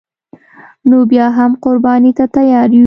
نو بیا هم قربانی ته تیار یو